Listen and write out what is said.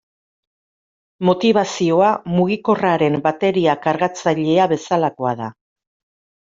Motibazioa mugikorraren bateria kargatzailea bezalakoa da.